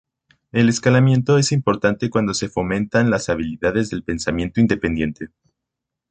El escalamiento es importante cuando se fomentan las habilidades de pensamiento independiente.